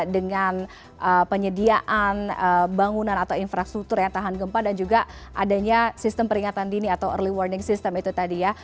dengan penyediaan bangunan atau infrastruktur yang tahan gempa dan juga adanya sistem peringatan dini atau early warning system itu tadi ya